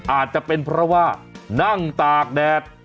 อาจจะเป็นเพราะว่านั่งตากแดด